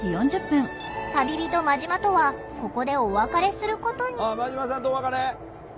旅人マジマとはここでお別れすることに。